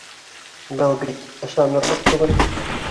Был бит... ышанырлыҡ түгел.